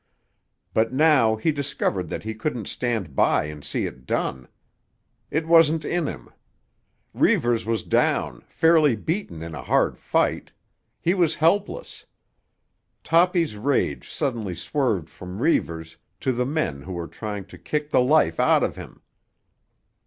But now he discovered that he couldn't stand by and see it done. It wasn't in him. Reivers was down, fairly beaten in a hard fight. He was helpless. Toppy's rage suddenly swerved from Reivers to the men who were trying to kick the life out of him.